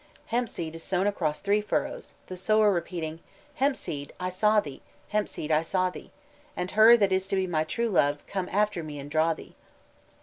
Hemp seed is sown across three furrows, the sower repeating: "Hemp seed, I saw thee, hemp seed, I saw thee; and her that is to be my true love, come after me and draw thee."